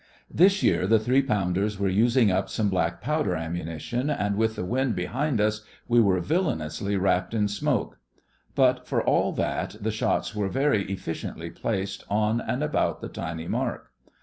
This year the three pounders were using up some black powder ammunition, and with the wind behind us we were villainously wrapped in smoke. But for all that the shots were very efficiently placed on and about the tiny mark.